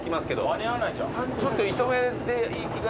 間に合わないじゃん。